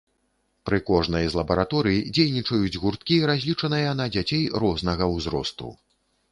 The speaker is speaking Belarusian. Пры кожнай з лабараторый дзейнічаюць гурткі, разлічаныя на дзяцей рознага ўзросту.